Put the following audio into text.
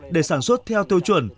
để sản xuất theo tiêu chuẩn